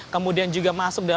kemudian juga masuk